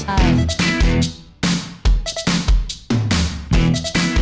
ใช่